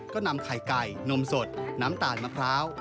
ก็นำไข่ไก่นมสดน้ำตาลมะพร้าว